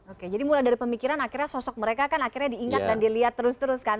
oke jadi mulai dari pemikiran akhirnya sosok mereka kan akhirnya diingat dan dilihat terus terus kan